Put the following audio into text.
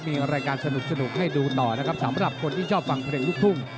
มีรายการสนุกให้ดูต่อนะครับสำหรับคนที่ชอบฟังเพลงลูกทุ่ง